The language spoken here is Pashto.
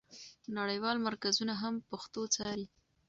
نړیوال مرکزونه هم پښتو څاري.